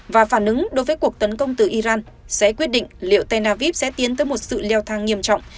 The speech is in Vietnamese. và phản ứng đối với cuộc tấn công từ iran sẽ quyết định liệu tel aviv sẽ tiến tới một sự leo thang nghiêm trọng